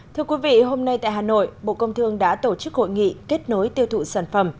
thưa quý vị hôm nay tại hà nội bộ công thương đã tổ chức hội nghị kết nối tiêu thụ sản phẩm